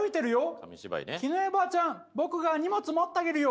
紙芝居ね「絹江お婆ちゃん僕が荷物持ってあげるよ」